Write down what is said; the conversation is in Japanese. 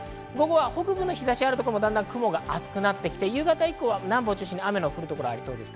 北部の日差しがあるところもだんだん雲が厚くなってきて、夕方以降は南部を中心に雨の降る所がありそうです。